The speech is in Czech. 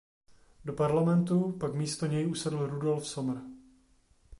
Do parlamentu pak místo něj usedl Rudolf Sommer.